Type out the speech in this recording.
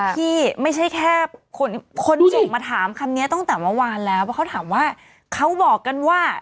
ที่ไม่ใช่แค่คนส่งมาถามคำนี้ตั้งแต่เมื่อวานแล้วเพราะเขาถามว่าเขาบอกกันว่า